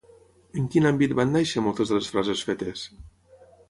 En quin àmbit van néixer moltes de les frases fetes?